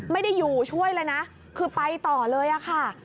ไม่ได้อยู่ช่วยเลยนะคือไปต่อเลยอะค่ะ